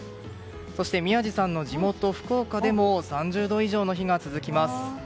そして宮司さんの地元・福岡でも３０度以上の日が続きます。